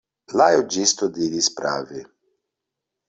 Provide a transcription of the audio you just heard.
La juĝisto diris prave.